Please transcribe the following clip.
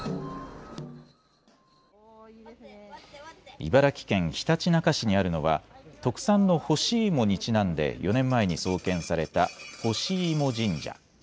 茨城県ひたちなか市にあるのは特産の干し芋にちなんで４年前に創建されたほしいも神社。